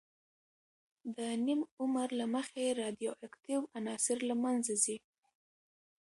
د نیم عمر له مخې رادیواکتیو عناصر له منځه ځي.